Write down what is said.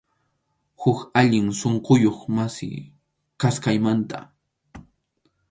Huk allin sunquyuq masi, kasqaymanta.